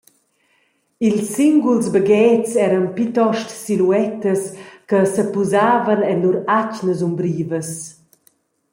Ils singuls baghetgs eran plitost siluettas che sepusavan en lur atgnas umbrivas.